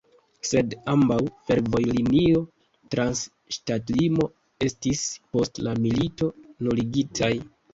Sed ambaŭ fervojlinioj trans ŝtatlimo estis post la milito nuligitaj.